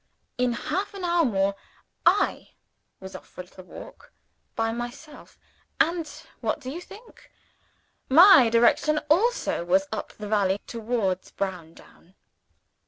In half an hour more, I was out for a little walk by myself and (what do you think?) my direction also was up the valley, towards Browndown.